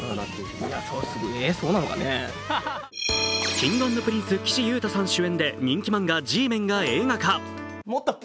Ｋｉｎｇ＆Ｐｒｉｎｃｅ、岸優太さん主演で人気漫画「Ｇメン」が映画化。